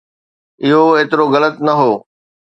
اهو ايترو غلط نه هو.